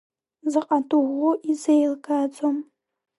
Заҟа дыӷәӷәоу изеилкааӡом.